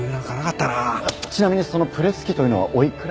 ちなみにそのプレス機というのはおいくらぐらい？